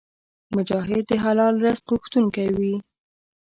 مجاهد د حلال رزق غوښتونکی وي.